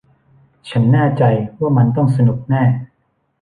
ฉันแน่ใจว่ามันต้องสนุกแน่